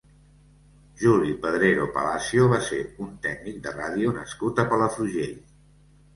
Juli Pedrero Palacio va ser un tècnic de ràdio nascut a Palafrugell.